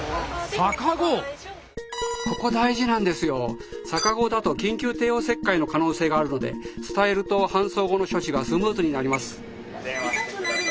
逆子だと緊急帝王切開の可能性があるので伝えると搬送後の処置がスムーズになります。